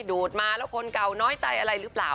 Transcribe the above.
ดูดมาแล้วคนเก่าน้อยใจอะไรหรือเปล่า